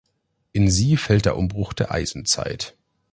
In sie fällt der Umbruch zur Eisenzeit.